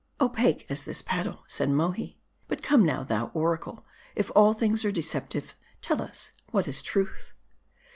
"Opaque as this paddle," said MoKi, "But, come now, thou oraole, if all things are deceptive, tell us what is truth